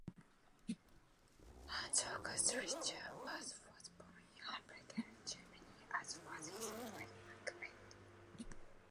Hans Augusto Reyersbach was born in Hamburg, Germany, as was his wife Margret.